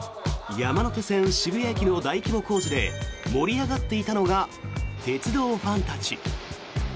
山手線渋谷駅の大規模工事で盛り上がっていたのが鉄道ファンたち。